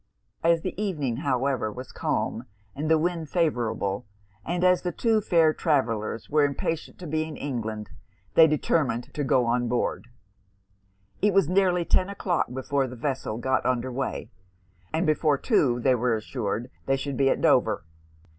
As the evening, however, was calm, and the wind favourable, and as the two fair travellers were impatient to be in England, they determined to go on board. It was near ten o'clock before the vessel got under way; and before two they were assured they should be at Dover.